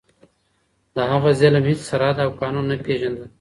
د هغه ظلم هیڅ سرحد او قانون نه پېژانده.